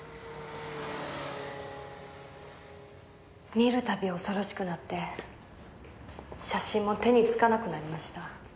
見る度恐ろしくなって写真も手につかなくなりました。